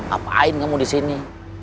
apaan kamu disini